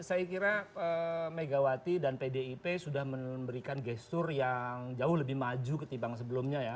saya kira megawati dan pdip sudah memberikan gestur yang jauh lebih maju ketimbang sebelumnya ya